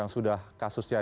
yang sudah kasus jatuh